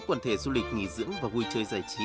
quần thể du lịch nghỉ dưỡng và vui chơi giải trí